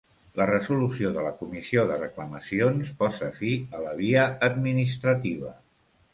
La resolució de la Comissió de Reclamacions posa fi a la via administrativa.